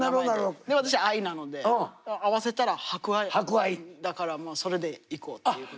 で私愛なので合わせたら「博愛」だからまあそれでいこうっていうことで。